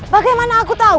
bagaimana aku tahu